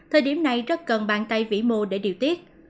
thời điểm này rất cần bàn tay vĩ mô để điều tiết